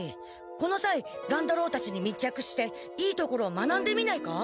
このさい乱太郎たちに密着していいところを学んでみないか。